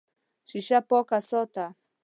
شیشه پاکه ساته.